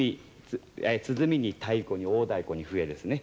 鼓に太鼓に大太鼓に笛ですね。